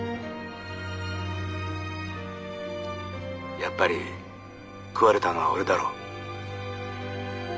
☎やっぱり食われたのは俺だろ？